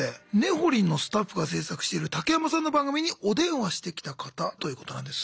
ほりんのスタッフが制作している竹山さんの番組にお電話してきた方ということなんです。